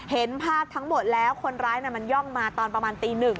เห็นภาพทั้งหมดแล้วคนร้ายมันย่องมาตอนประมาณตีหนึ่ง